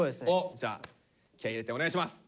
じゃあ気合い入れてお願いします。